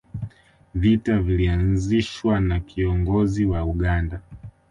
vita vilianzishwa na kiongozin wa uganda